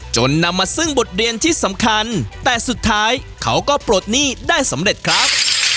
นำมาซึ่งบทเรียนที่สำคัญแต่สุดท้ายเขาก็ปลดหนี้ได้สำเร็จครับ